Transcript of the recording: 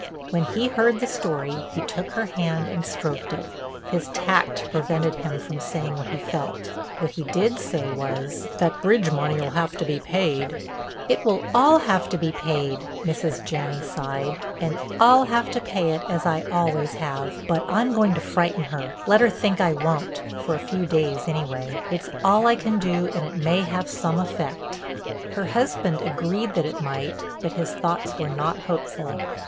When he heard the story, he took her hand and stroked it. His tact prevented him from saying what he felt; what he did say was: "That bridge money'll have to be paid." "It will all have to be paid," Mrs. Janney sighed, "and I'll have to pay it as I always have. But I'm going to frighten her—let her think I won't—for a few days anyway. It's all I can do and it may have some effect." Her husband agreed that it might but his thoughts were not hopeful.